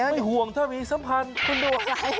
ไม่ห่วงถ้ามีสัมพันธ์คุณดูใจ